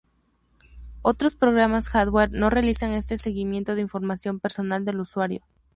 Otros programas adware no realizan este seguimiento de información personal del usuario.